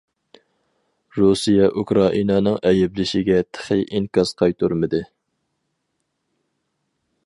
رۇسىيە ئۇكرائىنانىڭ ئەيىبلىشىگە تېخى ئىنكاس قايتۇرمىدى.